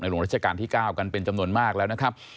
และหลวงราชกาลที่๙เป็นจำนวนมากแล้ว